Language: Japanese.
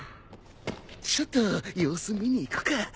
ちょっと様子見に行くか。